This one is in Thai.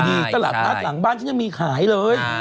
ตลาดนัดหลังบ้านก็จะมีขายเลย